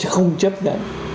không chấp nhận